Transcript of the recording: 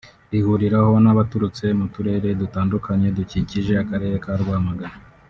rihuriraho n’abaturutse mu Turere dutandukanye dukikije Akarere ka Rwamagana